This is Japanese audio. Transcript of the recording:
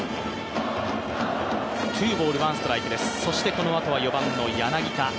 このあとは４番の柳田。